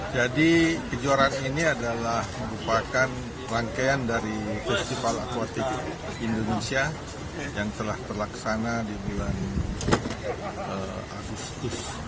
jadi kejuaraan ini adalah merupakan rangkaian dari festival akuatik indonesia yang telah terlaksana di bulan agustus